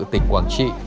tỉnh quảng trị